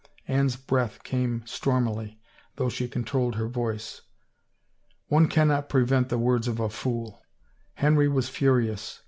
Anne's breath came stormily, though she controlled her voice. " One cannot prevent the words of a fool ! Henry was furious.